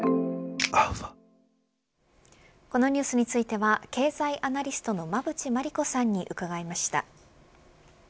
このニュースについては経済アナリストの馬渕磨理子さんに伺いました。